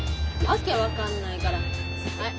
訳分かんないからはい。